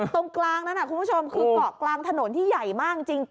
ตรงกลางนั้นคุณผู้ชมคือเกาะกลางถนนที่ใหญ่มากจริง